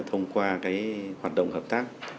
thông qua cái hoạt động hợp tác